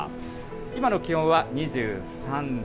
今の気温は２３度。